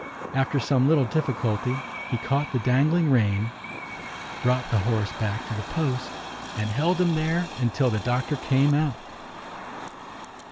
After some little difficulty he caught the dangling rein, brought the horse back to the post and held him there until the doctor came out.